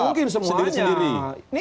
oh mungkin semuanya